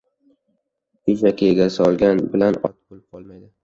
• Eshakka egar solgan bilan ot bo‘lib qolmaydi.